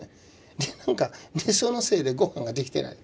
でなんかそのせいでご飯ができてない。